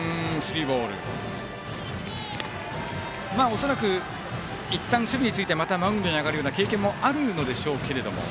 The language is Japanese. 恐らくいったん守備についてまたマウンドに上がるような経験もあるのでしょうけれども。